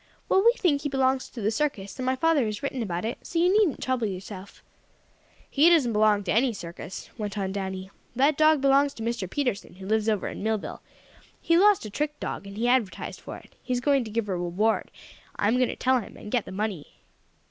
"Well, we think he belongs to the circus, and my father has written about it, so you needn't trouble yourself." "He doesn't belong to any circus," went on Danny. "That dog belongs to Mr. Peterson, who lives over in Millville. He lost a trick dog, and he adverstised for it. He's going to give a reward. I'm going to tell him, and get the money."